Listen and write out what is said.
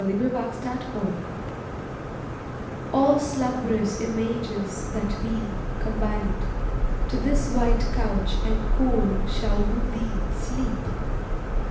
TO SLEEP All slumb'rous images that be, combined, To this white couch and cool shall woo thee, Sleep!